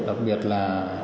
đặc biệt là